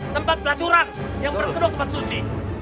tempat pelacuran yang berkedok tempat suci